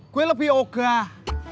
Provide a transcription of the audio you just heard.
gue lebih ogah